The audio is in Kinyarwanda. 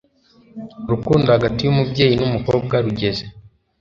urukundo hagati y'umubyeyi n'umukobwa rugeze